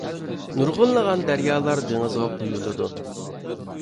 نۇرغۇنلىغان دەريالار دېڭىزغا قۇيۇلىدۇ.